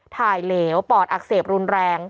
เหลวปอดอักเสบรุนแรง